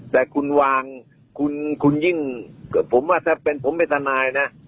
แต่คุณวางคุณยิ่งผมว่าถ้าเป็นผมเป็นทนายนะ